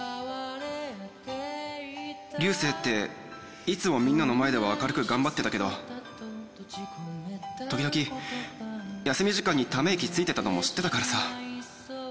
流星っていつもみんなの前では明るく頑張ってたけど時々休み時間にため息ついてたのも知ってたからさ。